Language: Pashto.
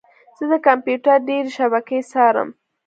زه د کمپیوټر ډیرې شبکې څارم.